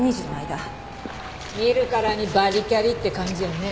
見るからにバリキャリって感じよね。